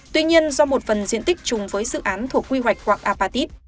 tuy nhiên do một phần diện tích chung với dự án thuộc quy hoạch quạng apatit